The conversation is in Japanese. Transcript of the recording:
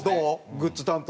グッズ担当。